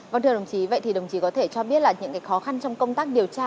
vâng thưa đồng chí vậy thì đồng chí có thể cho biết là những khó khăn trong công tác điều tra